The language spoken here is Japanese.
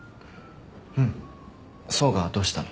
うん想がどうしたの？